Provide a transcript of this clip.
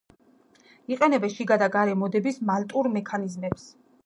იყენებენ შიგა და გარე მოდების მალტურ მექანიზმებს.